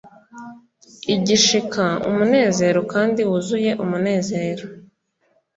igishika, umunezero, kandi wuzuye umunezero,